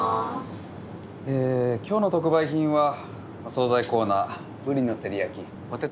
今日の特売品はお惣菜コーナーブリの照り焼きポテトサラダ。